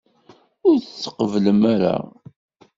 Ur tqebblem ara.